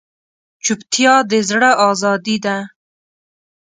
چوپتیا، د زړه ازادي ده.